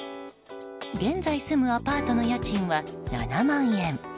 現在住むアパートの家賃は７万円。